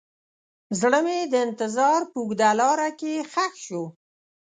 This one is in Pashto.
زړه مې د انتظار په اوږده لاره کې ښخ شو.